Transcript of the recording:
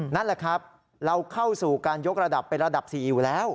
นั่นแหละครับเราเข้าสู่การยกระดับเป็นระดับ๔อยู่แล้ว